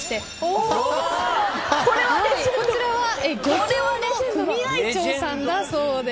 こちらは漁協の組合長さんだそうです。